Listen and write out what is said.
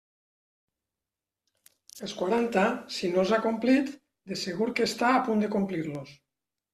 Els quaranta, si no els ha complit, de segur que està a punt de complir-los.